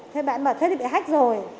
thế bạn bảo thế thì bị hách rồi